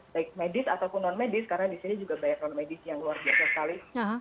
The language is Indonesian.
baik medis ataupun non medis karena di sini juga banyak non medis yang luar biasa sekali